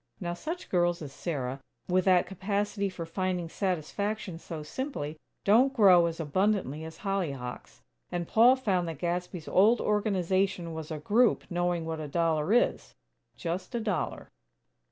Now, such girls as Sarah, with that capacity for finding satisfaction so simply, don't grow as abundantly as hollyhocks and Paul found that Gadsby's old Organization was a group knowing what a dollar is: just a dollar.